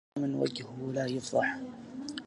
رب غلام وجهه لا يفضحه